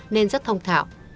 nên rất thông thạo